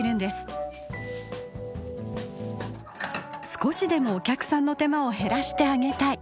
少しでもお客さんの手間を減らしてあげたい。